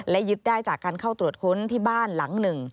และยึดได้จากการเข้าตรวจค้นที่บ้านหลังหนึ่ง